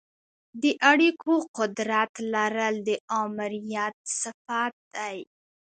د اړیکو قدرت لرل د آمریت صفت دی.